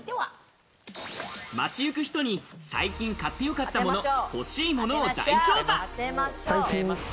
街ゆく人に最近買ってよかったもの、欲しいものを大調査。